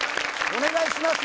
お願いします